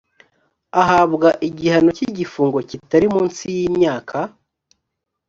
ahabwa igihano cy igifungo kitari munsi y’imyaka